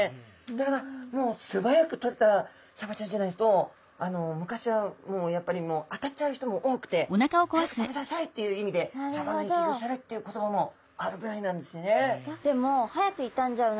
だからもうすばやくとれたサバちゃんじゃないと昔はもうやっぱりあたっちゃう人も多くて「早く食べなさい」っていう意味で「サバの生き腐れ」っていう言葉もあるぐらいなんですよね。